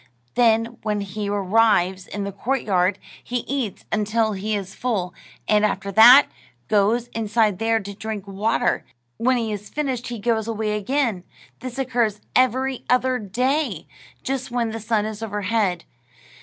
Then, when he arrives in the courtyard, he eats until he is full, and after that, goes inside there to drink water. When he has finished, he goes away again. This occurs every other day, just when the sun is overhead.